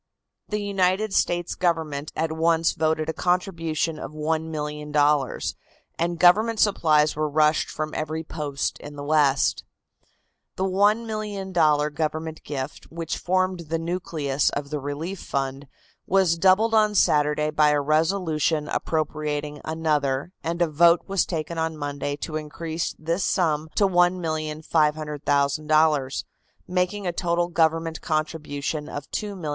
The United States Government at once voted a contribution of $1,000,000, and government supplies were rushed from every post in the West. The $1,000,000 government gift, which formed the nucleus of the relief fund, was doubled on Saturday by a resolution appropriating another, and a vote was taken on Monday to increase this sum to $1,500,000, making a total government contribution of $2,500,000.